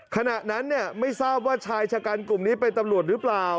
ขณะนั้นไม่ทราบว่าชายชะกันกลุ่มนี้เป็นตำรวจหรือเปล่า